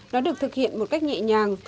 nó được thực hiện một cách nhẹ nhàng